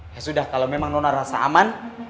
ya sudah kalau memang nona rasa aman